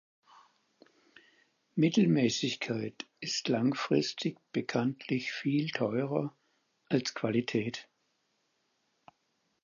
Mittelmäßigkeit ist langfristig bekanntlich viel teurer als Qualität.